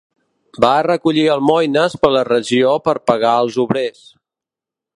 Va recollir almoines per la regió per pagar els obrers.